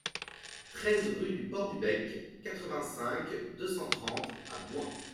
treize rue du Port du Bec, quatre-vingt-cinq, deux cent trente à Bouin